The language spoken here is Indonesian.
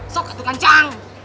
sok itu ganjang